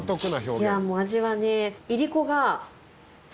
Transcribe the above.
いやもう味はね。